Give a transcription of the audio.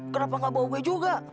kenapa gak bawa gue juga